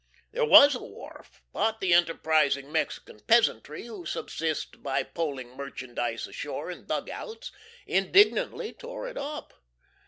There was a wharf, but the enterprising Mexican peasantry, who subsist by poling merchandise ashore in dug outs, indignantly tore it up.